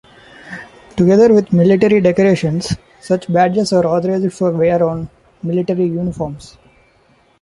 Together with military decorations, such badges are authorized for wear on military uniforms.